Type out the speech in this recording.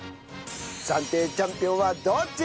暫定チャンピオンはどっち！？